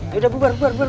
ya udah bubar bubar bubar